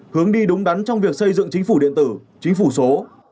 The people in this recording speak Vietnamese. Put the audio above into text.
hướng đi đúng đắn trong việc xây dựng chính phủ điện tử chính phủ số